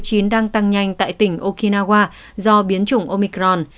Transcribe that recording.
các ca mắc covid một mươi chín đang tăng nhanh tại tỉnh okinawa do biến chủng omicron